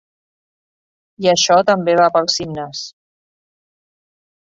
I això també val pels himnes.